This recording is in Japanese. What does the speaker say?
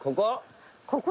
ここ？